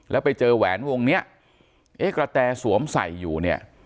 แล้วไปเจอแหวนวงเนี้ยเอ๊ะกระแตสวมใส่อยู่เนี่ย